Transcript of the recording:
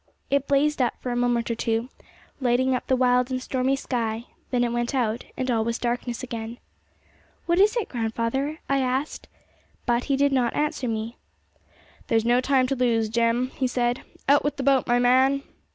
It blazed up for a moment or two, lighting up the wild and stormy sky, and then it went out, and all was darkness again. 'What is it, grandfather?' I asked. But he did not answer me. 'There's no time to lose, Jem,' he said; "out with the boat, my man!"